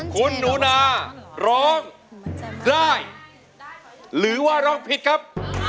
คุณหนูนาร้องได้หรือว่าร้องผิดครับ